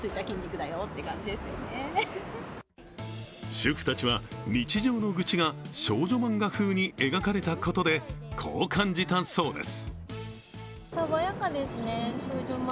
主婦たちは日常の愚痴が少女漫画風に描かれたことでこう感じたそうです。